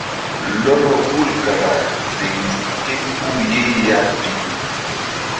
Lɔlɔ hul kara ziŋ nzuk ké puh ye ya pi.